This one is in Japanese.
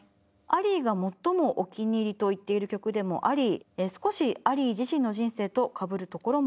アリーが最もお気に入りと言っている曲でもあり少しアリー自身の人生とかぶるところもあるのかもしれません。